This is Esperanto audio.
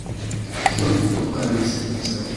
Kion do faris la caro?